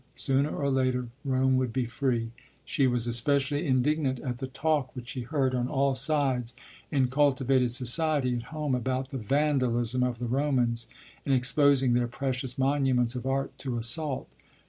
Sooner or later, Rome would be free. She was especially indignant at the talk which she heard on all sides in cultivated society at home about the "vandalism" of the Romans in exposing their precious monuments of art to assault.